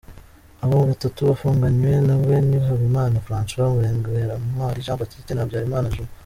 Abo batatu bafunganywe na we ni Habimana François, Murengerantwari Jean Baptiste na Habyarimana Juma.